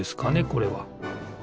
これは。